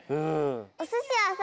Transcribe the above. おすしはさ